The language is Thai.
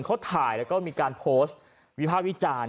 เขาถ่ายแล้วก็มีการโพสต์วิภาควิจารณ์